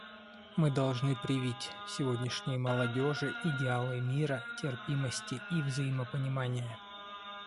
Мы должны привить сегодняшней молодежи идеалы мира, терпимости и взаимопонимания.